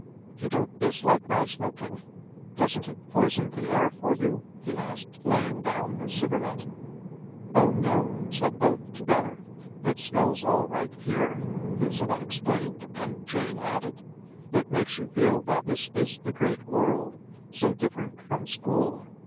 " You don't dislike my smoking ? Doesn't it poison the air for you ?" he asked, laying down the cigarette. 148 THE LARK " Oh no !" said both together. " It smells all right here," Lucilla explained, and Jane added : M It makes you feel that this is the great world : so dif ferent from school.